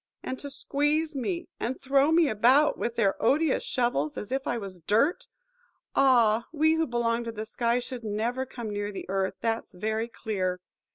And to squeeze me, and throw me about with their odious shovels, as if I was dirt! Ah! we who belong to the sky should never come near the earth, that's very clear.